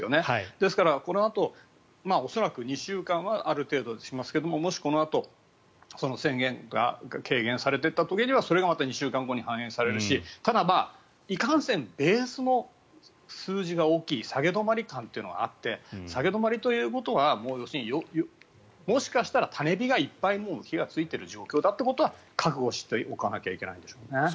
ですから、このあと恐らく２週間はある程度しますけれどもし、このあとその宣言が軽減されていった時にはそれがまた２週間後に反映されるしただ、いかんせんベースの数字が大きい下げ止まり感というのがあって下げ止まりということは要するにもしかしたら種火がいっぱい火がついている状況だということは覚悟しておかなければいけないんでしょうね。